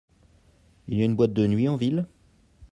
Il y a une boîte de nuit en ville ?